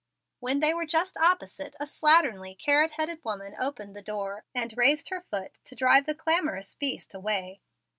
When they were just opposite, a slatternly, carroty headed woman opened the door, and raised her foot to drive the clamorous beast away.